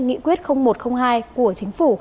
nghị quyết một trăm linh hai của chính phủ